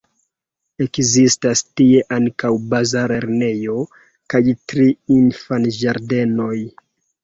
Ekzistas tie ankaŭ baza lernejo kaj tri infanĝardenoj.